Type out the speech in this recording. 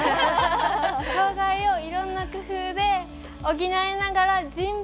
障がいをいろんな工夫で補いながら人馬